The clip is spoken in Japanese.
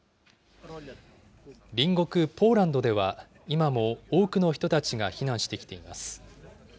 隣国ポーランドでは、今も多くの人たちが避難してきています。